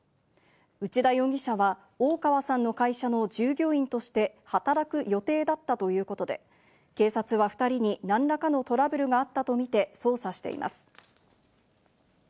内田容疑者は大川さんの会社の従業員として働く予定だったということで、警察は２人に何らかのトラブルがあったとみて捜査しています。